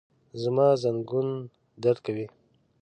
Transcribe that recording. زما زنګون درد کوي